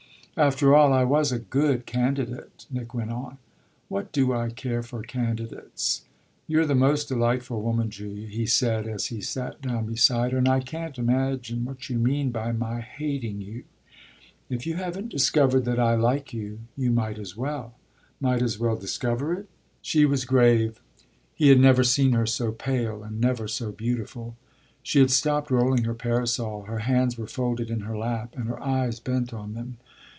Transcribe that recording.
"After all I was a good candidate," Nick went on. "What do I care for candidates?" "You're the most delightful woman, Julia," he said as he sat down beside her, "and I can't imagine what you mean by my hating you." "If you haven't discovered that I like you, you might as well." "Might as well discover it?" She was grave he had never seen her so pale and never so beautiful. She had stopped rolling her parasol; her hands were folded in her lap and her eyes bent on them.